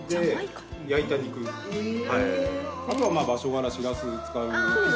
あとは場所柄しらす使うピザ。